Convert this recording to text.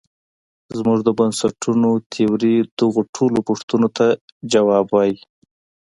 زموږ د بنسټونو تیوري دغو ټولو پوښتونو ته ځواب وايي.